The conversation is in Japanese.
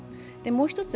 もう一つ